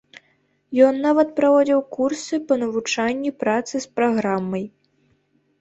Ён нават праводзіў курсы па навучанні працы з праграмай.